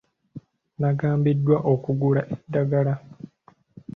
Nnagambiddwa okugula eddagala.